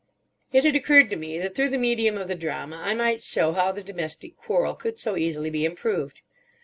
It had occurred to me that through the medium of the drama I might show how the domestic quarrel could so easily be improved.